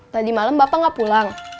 tadi malam bapak nggak pulang